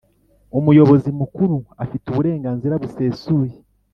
Umuyobozi Mukuru afite uburenganzira busesuye